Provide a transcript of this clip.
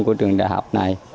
của trường đại học này